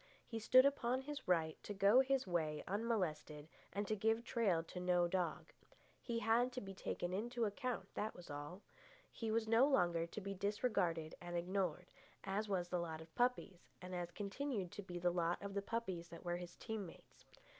He stood upon his right to go his way unmolested and to give trail to no dog. He had to be taken into account, that was all. He was no longer to be disregarded and ignored, as was the lot of puppies, and as continued to be the lot of the puppies that were his team mates.